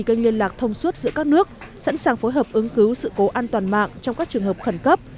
kênh liên lạc thông suốt giữa các nước sẵn sàng phối hợp ứng cứu sự cố an toàn mạng trong các trường hợp khẩn cấp